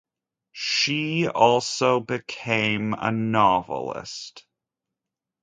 She also became a novelist.